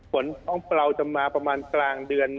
ฝนของเราจะมาประมาณกลางเดือน